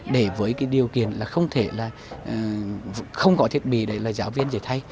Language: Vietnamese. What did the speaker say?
để với điều kiện không có thiết bị để giáo viên giải thay